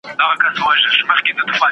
موږ به په دې وخت کي په کار بوخت یو.